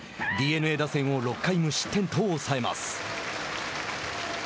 ＤｅＮＡ打線を６回無失点と抑えます。